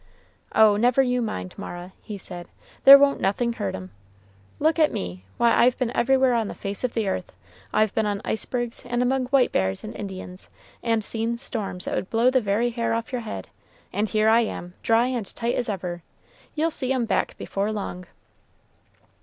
"Oh, never you mind, Mara," he said, "there won't nothing hurt 'em. Look at me. Why, I've been everywhere on the face of the earth. I've been on icebergs, and among white bears and Indians, and seen storms that would blow the very hair off your head, and here I am, dry and tight as ever. You'll see 'em back before long."